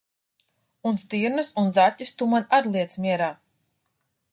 Un stirnas un zaķus tu man ar liec mierā!